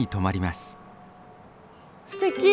すてき！